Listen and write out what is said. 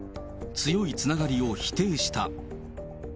強いつながりを否定した。